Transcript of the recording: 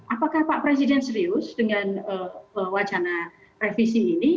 apakah pak presiden serius dengan wacana revisi ini